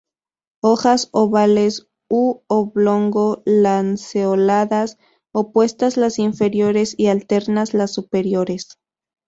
Hojas ovales u oblongo-lanceoladas, opuestas las inferiores y alternas las superiores.